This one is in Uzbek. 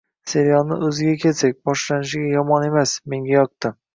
Serialni oʻziga kelsak, boshlanishiga yomon emas, menga yoqdi.